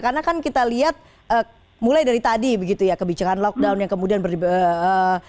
karena kan kita lihat mulai dari tadi begitu ya kebijakan lockdown yang kemudian berdibuat